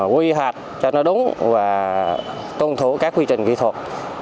quy hoạch cho nó đúng và tuân thủ các quy trình kỹ thuật